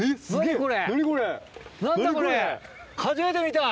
これ！